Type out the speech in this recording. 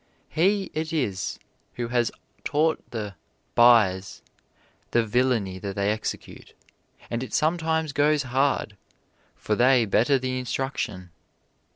He it is who has taught the "byes" the villainy that they execute; and it sometimes goes hard, for they better the instruction.